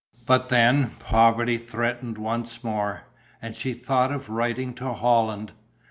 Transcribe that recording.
But then poverty threatened once more; and she thought of writing to Holland.